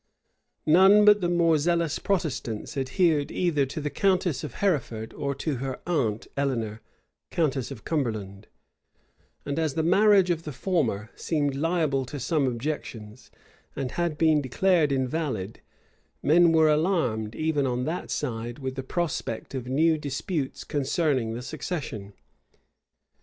None but the more zealous Protestants adhered either to the countess of Hertford, or to her aunt, Eleanor, countess of Cumberland; and as the marriage of the former seemed liable to some objections, and had been declared invalid, men were alarmed, even on that side, with the prospect of new disputes concerning the succession.